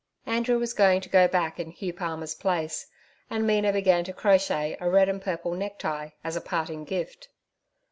Andrew was now to go back in Hugh Palmer's place, and Mina began to crochet a red and purple necktie as a parting gift.